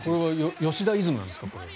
吉田イズムなんですか？